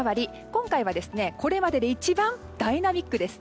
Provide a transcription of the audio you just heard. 今回は、これまでで一番ダイナミックです。